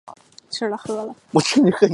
众人写的书信不幸被军方看见。